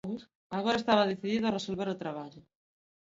Agora estaba decidido a resolver o traballo.